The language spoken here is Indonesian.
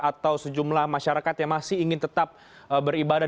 atau sejumlah masyarakat yang masih ingin tetap beribadah